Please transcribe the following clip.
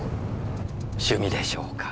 趣味でしょうか？